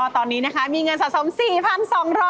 ตอนนี้นะคะมีเงินสะสม๔๒๐๐บาท